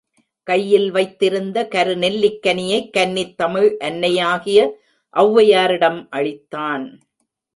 கையில் வைத்திருந்த கருநெல்லிக்கனியைக் கன்னித்தமிழ் அன்னையாகிய ஒளவையாரிடம் அளித்தான்.